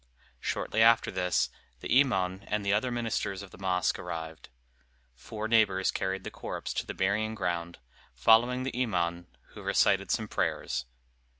Shortly after this the imaun and the other ministers of the mosque arrived. Four neighbors carried the corpse to the burying ground, following the imaun, who recited some prayers.